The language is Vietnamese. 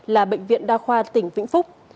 là bệnh viện đa khoa tỉnh vĩnh phúc